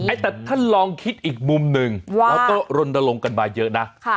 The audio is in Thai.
ไอ้แต่ถ้านลองคิดอีกมุมหนึ่งว่าแล้วก็รนดลงกันมาเยอะนะค่ะ